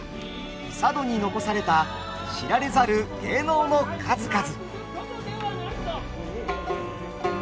佐渡に残された知られざる芸能の数々！